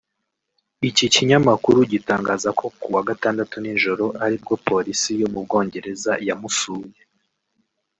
Iki kinyamakuru gitangaza ko ku wa Gatandatu nijoro aribwo polisi yo mu Bwongereza yamusuye